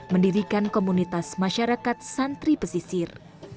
mendirikan komunitas masyarakat santri pesisir